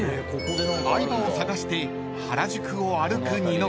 ［相葉を捜して原宿を歩く二宮］